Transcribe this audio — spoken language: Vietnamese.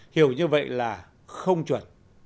hiểu như vậy là không chuẩn